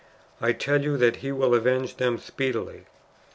I tell you, that He will avenge them speedily."""